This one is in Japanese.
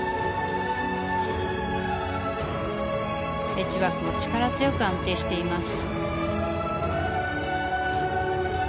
エッジワークも力強く安定しています。